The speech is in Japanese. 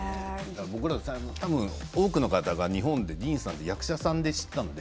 多くの方が、日本でディーンさんのことを役者さんで知ったので。